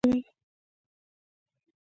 زړه د خندا تودې څپې لري.